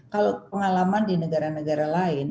kalau pengalaman di negara negara lain